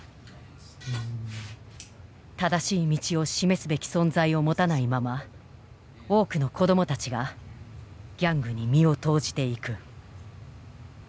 正しい道を示すべき存在を持たないまま多くの子どもたちがギャングに身を投じていく。